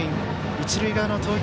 一塁側の投球